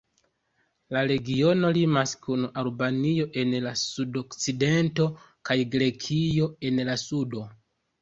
La regiono limas kun Albanio en la sudokcidento kaj Grekio en la sudo.